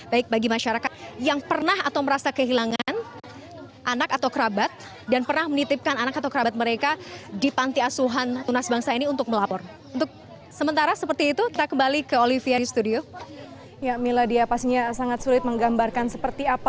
baik bagi masyarakat yang pernah atau merasa kehilangan anak atau kerabat